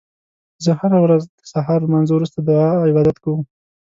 زه هره ورځ د سهار لمانځه وروسته دعا او عبادت کوم